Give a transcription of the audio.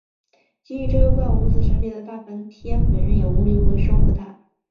给予这个怪物如此神力的大梵天本人也无力收服它。